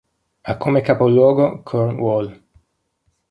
Ha come capoluogo Cornwall.